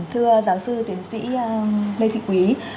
thưa giáo sư tiến sĩ lê thị quý